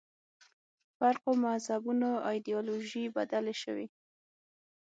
فرقو مذهبونو ایدیالوژۍ بدلې شوې.